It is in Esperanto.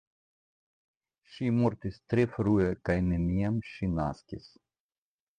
Ŝi mortis tre frue kaj neniam ŝi naskis.